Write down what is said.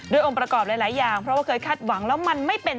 ด้วยองค์ประกอบหลายอย่างเพราะว่าเคยคาดหวังแล้ว